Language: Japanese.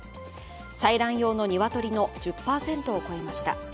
採卵用の鶏の１０％を超えました。